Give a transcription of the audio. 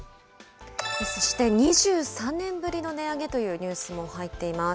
そして２３年ぶりの値上げというニュースも入っています。